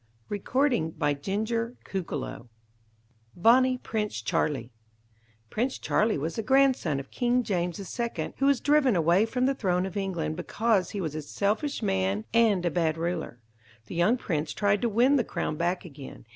[Illustration: KING CHARLES IN THE OAK] =Bonnie Prince Charlie= Prince Charlie was the grandson of King James II, who was driven away from the throne of England because he was a selfish man and a bad ruler. The young prince tried to win the crown back again.